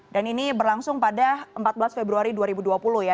dan ini berlangsung pada empat belas februari dua ribu dua puluh ya